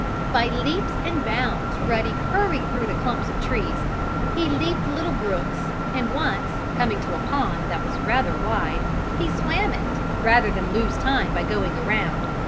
By leaps and bounds Ruddy hurried through the clumps of trees. He leaped little brooks, and once, coming to a pond that was rather wide, he swam it, rather than lose time by going around.